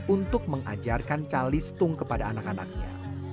untuk mengajarkan cali stung kepada anak anaknya